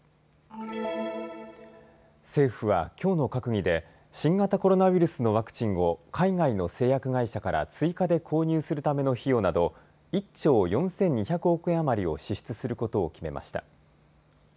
政府はきょうの閣議で新型コロナウイルスのワクチンを海外の製薬会社から追加で購入するための費用など１兆４２００億円余りを支出することを決めました。